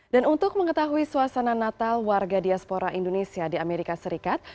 dan untuk mengetahui suasana natal warga diaspora indonesia di amerika serikat